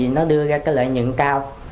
nó đưa ra cái lợi nhuận cao